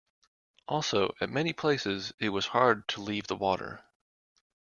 Also, at many places it was hard to leave the water.